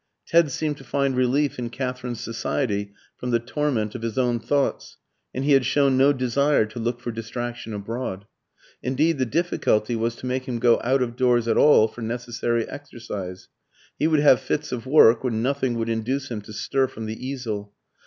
Ted seemed to find relief in Katherine's society from the torment of his own thoughts, and he had shown no desire to look for distraction abroad; indeed the difficulty was to make him go out of doors at all for necessary exercise. He would have fits of work, when nothing would induce him to stir from the easel.